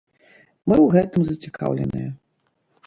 Мы ў гэтым зацікаўленыя.